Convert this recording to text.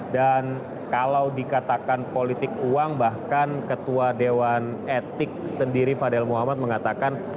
dan kalau dikatakan politik uang bahkan ketua dewan etik sendiri fadel muhammad mengatakan